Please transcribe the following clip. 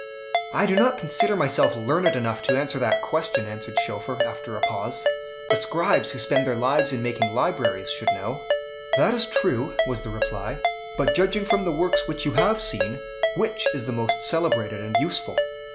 "I do not consider myself learned enough to answer that question," answered Schoeffer, after a pause. "The scribes who spend their lives in making libraries should know." "That is true," was the reply. "But, judging from the works which you have seen, which is the most celebrated and useful?"